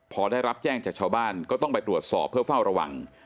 พอได้รับแจ้งจากชาวบ้านก็ต้องไปตรวจสอบเพื่อเฝ้าระวัง